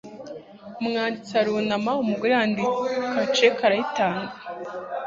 Umwanditsi arunama umugore yandika cheque arayitanga